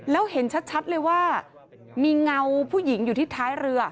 แล้วเห็นชัดเลยว่ามีเงาผู้หญิงอยู่ที่ท้ายเรือ